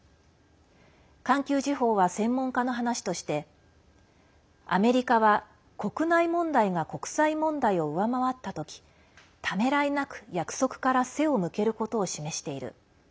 環球時報は専門家の話としてアメリカは国内問題が国際問題を上回った時ためらいなく約束から背を向けることを示している。